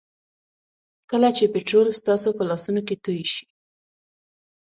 کله چې پټرول ستاسو په لاسونو کې توی شي.